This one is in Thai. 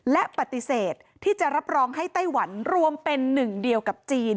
และปฏิเสธที่จะรับรองให้ไต้หวันรวมเป็นหนึ่งเดียวกับจีน